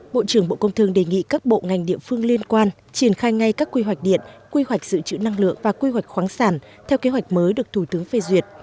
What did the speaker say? bộ trưởng bộ công thương đề nghị các bộ ngành địa phương liên quan triển khai ngay các quy hoạch điện quy hoạch giữ chữ năng lượng và quy hoạch khoáng sản theo kế hoạch mới được thủ tướng phê duyệt